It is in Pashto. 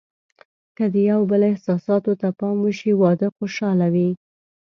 که د یو بل احساساتو ته پام وشي، واده خوشحاله وي.